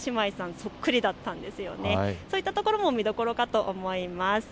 そういったところも見どころかと思います。